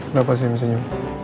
enggak pasti mesinnya